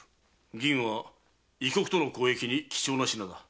銀は異国との交易に貴重な品だ。